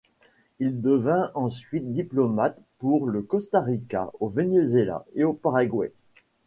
Il devint ensuite diplomate pour le Costa Rica au Venezuela et au Paraguay.